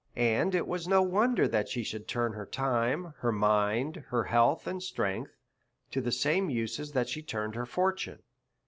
And it was no wonder that she should turn her time, her mind, her health, and strength, to the same uses that she turned her fortune.